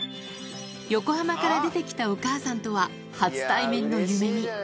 横浜から出て来たお母さんとは初対面のゆめみ